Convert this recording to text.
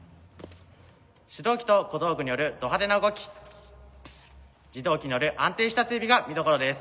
手動機と小道具によるど派手な動き自動機による安定した追尾が見どころです。